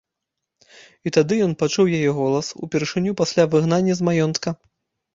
І тады ён пачуў яе голас, упершыню пасля выгнання з маёнтка.